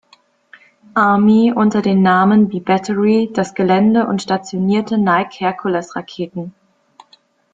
Army unter dem Namen B-Battery das Gelände und stationierte Nike Hercules-Raketen.